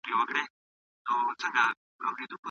غوښه په لویو لوښو کې مېلمنو ته راوړل شوه.